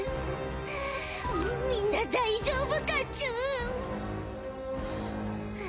みんな大丈夫かチュン？